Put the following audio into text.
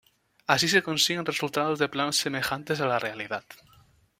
Así se consiguen resultados de planos semejantes a la realidad.